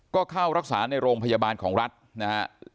ก็เข้ารักษาในโรงพยาบาลของรัฐนะฮะ